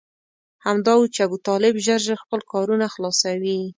همدا و چې ابوطالب ژر ژر خپل کارونه خلاصوي.